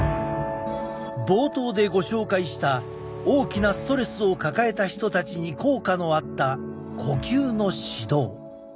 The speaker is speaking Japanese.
冒頭でご紹介した大きなストレスを抱えた人たちに効果のあった呼吸の指導。